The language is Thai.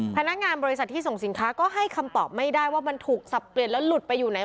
พนักงานบริษัทที่ส่งสินค้าก็ให้คำตอบไม่ได้ว่ามันถูกสับเปลี่ยนแล้วหลุดไปอยู่ไหน